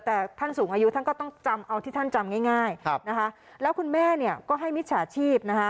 แต่ท่านสูงอายุก็ต้องเอาที่ท่านจำง่ายแล้วคุณแม่ก็ให้มิจฉาชีพ